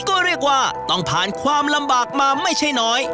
ก็เรียกว่าต้องผ่านความลำบากมาไม่ใช่น้อย